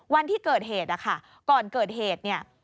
วันที่เกิดเหตุก่อนเกิดเหตุ